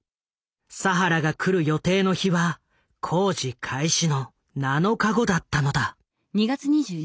佐原が来る予定の日は工事開始の７日後だったのだ。